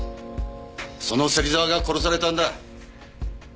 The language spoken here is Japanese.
その芹沢が殺されたんだ。